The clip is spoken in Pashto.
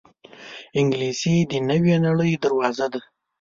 انګلیسي د نوې نړۍ دروازه ده